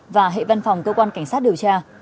và hệ văn phòng cơ quan cảnh sát điều tra